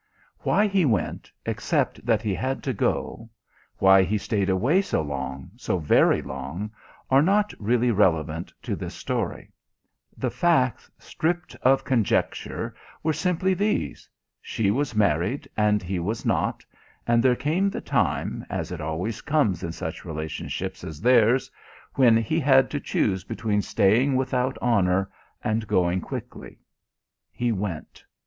Why he went, except that he had to go; why he stayed away so long, so very long, are not really relevant to this story; the facts, stripped of conjecture, were simply these: she was married, and he was not, and there came the time, as it always comes in such relationships as theirs, when he had to choose between staying without honour and going quickly. He went.